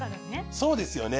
そうですよね。